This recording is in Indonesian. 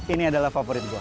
ini adalah favorit gue